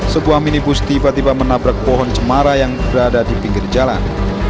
sebuah minibus tiba tiba menabrak pohon cemara yang berada di pinggir jalan